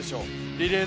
リレー